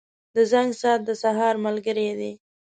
• د زنګ ساعت د سهار ملګری دی.